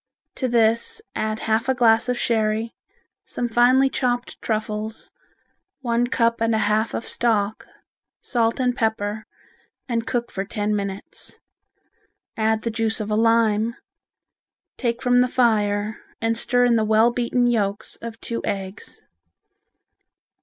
To this add half a glass of sherry, some finely chopped truffles, one cup and a half of stock, salt and pepper, and cook for ten minutes. Add the juice of a lime, take from the fire and stir in the well beaten yolks of two eggs.